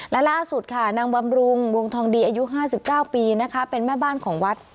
และล่าสุดค่ะนางบำรุงวงทองดีอายุ๕๙ปีนะคะเป็นแม่บ้านของวัด